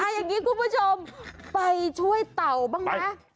อย่างนี้คุณผู้ชมไปช่วยเต่าบ้างไหม